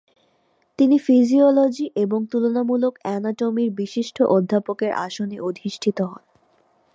তিনি ফিজিওলজি এবং তুলনামূলক অ্যানাটমির বিশিষ্ট অধ্যাপকের আসনে অধিষ্ঠিত হন।